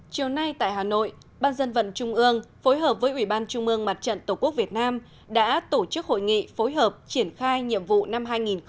chiều nay tại hà nội ban dân vận trung ương phối hợp với ủy ban trung mương mặt trận tổ quốc việt nam đã tổ chức hội nghị phối hợp triển khai nhiệm vụ năm hai nghìn một mươi chín